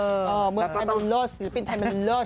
เมืองไทยบุญเลิศศิลปินไทยมันเลิศ